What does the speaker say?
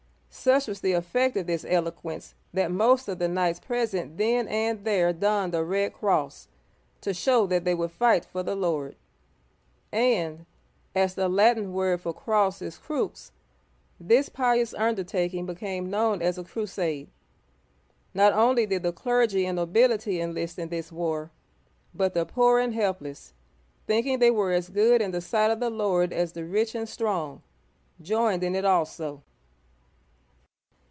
Such was the effect of this eloquence that most of the knights present then and there donned a red cross, to show that they would fight for the Lord; and, as* the Digitized by Google PHILIP I. (1060 1108) III Latin word for cross is cruXy this pious undertaking be came known as a crusade. Not only did the clergy and nobility enlist in this war, but the poor and helpless, think ing they were as good in the sight of the Lord as the rich and strong, joined in it also.